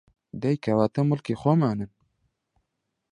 دەی کەواتە موڵکی خۆمانن